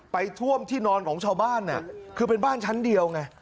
ไปท่วมที่นอนของชาวบ้านคือเป็นบ้านชั้นเดียวไง